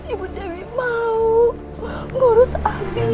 ibu dewi mau ngurus abi bu